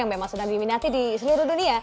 yang memang sedang diminati di seluruh dunia